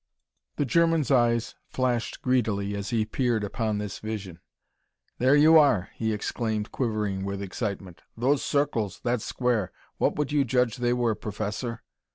The German's eyes flashed greedily as he peered upon this vision. "There you are!" he exclaimed, quivering with excitement. "Those circles, that square: what would you judge they were, Professor?"